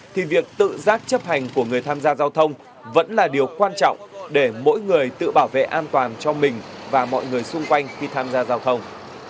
thì việc tự giác chấp hành của người tham gia giao thông vẫn là điều quan trọng để mỗi người tự bảo vệ an toàn cho mình và mọi người xung quanh khi tham gia giao thông